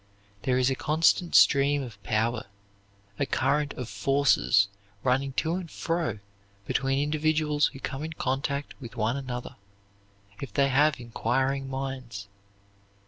There is a constant stream of power, a current of forces running to and fro between individuals who come in contact with one another, if they have inquiring minds.